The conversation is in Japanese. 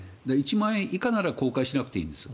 １万円以下なら公開しなくていいんです。